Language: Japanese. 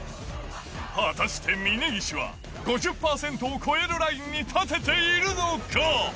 果たして峯岸は５０％を超えるラインに立てているのか。